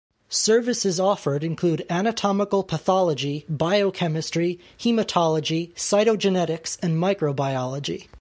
Services offered include anatomical pathology, biochemistry, haematology, cytogenetics and microbiology.